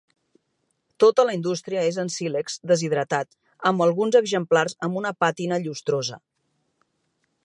Tota la indústria és en sílex deshidratat amb alguns exemplars amb una pàtina llustrosa.